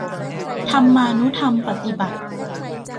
ธรรมานุธรรมปฏิบัติ